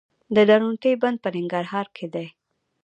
د درونټې بند په ننګرهار کې دی